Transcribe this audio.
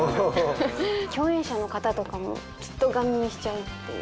共演者の方とかもずっとガン見しちゃうっていう。